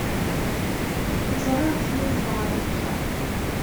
Ẓriɣ-t yudef ɣer uxxam.